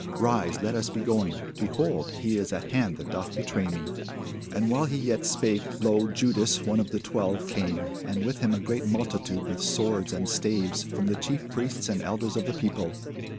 Rise, let us be going: behold, he is at hand that doth betray me. And while he yet spake, lo, Judas, one of the twelve, came, and with him a great multitude with swords and staves, from the chief priests and elders of the people.